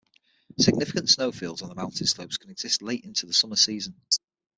Significant snow fields on the mountain slopes can exist late into the summer season.